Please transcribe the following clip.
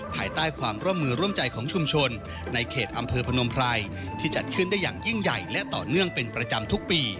ภายใต้ความร่วมมือร่วมใจของชุมชนในเขตอำเภอพนมไพรที่จัดขึ้นได้อย่างยิ่งใหญ่และต่อเนื่องเป็นประจำทุกปี